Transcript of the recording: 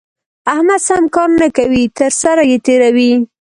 احمد سم کار نه کوي؛ تر سر يې تېروي.